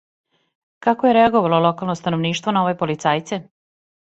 Како је реаговало локално становништво на ове полицајце?